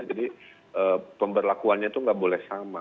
jadi pemberlakuannya itu tidak boleh sama